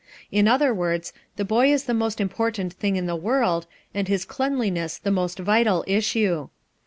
In other words, the boy is the most important thing in the world, and his cleanliness the most vital issue.